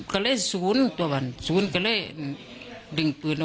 ไม่รู้จริงว่าเกิดอะไรขึ้น